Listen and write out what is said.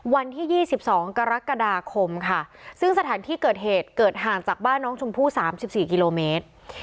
วันที่ยี่สิบสองกรกฎาคมค่ะซึ่งสถานที่เกิดเหตุเกิดห่างจากบ้านน้องชมพลู่สามสิบสี่กิโลเมตร